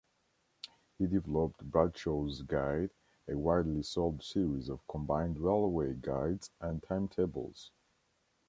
He developed Bradshaw's Guide, a widely sold series of combined railway guides and timetables.